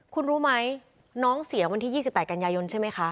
คุณรู้ไหมน้องเสียวันที่๒๘กันยายนใช่ไหมคะ